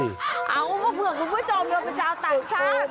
เอาเผื่อคุณผู้ชมโดยพระเจ้าต่างชาติ